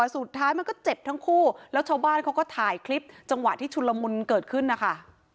สุดท้ายมันก็เจ็บทั้งคู่แล้วชาวบ้านเขาก็ถ่ายคลิปจังหวะที่ชุนละมุนเกิดขึ้นนะคะ